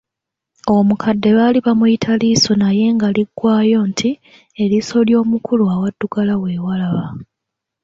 Omukadde baali bamuyita Liiso naye nga liggwaayo nti, Eriiso ly’omukulu awaddugala weewalaba.